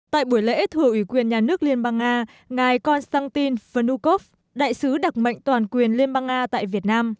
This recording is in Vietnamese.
tại buổi lễ thủ ủy quyền nhà nước liên bang nga ngài konstantin vnukov đại sứ đặc mệnh toàn quyền liên bang nga tại việt nam